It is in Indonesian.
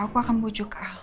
aku akan pujuk a